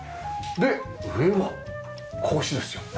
で上は格子ですよね。